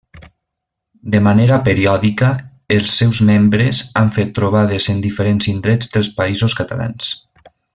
De manera periòdica els seus membres han fet trobades en diferents indrets dels Països Catalans.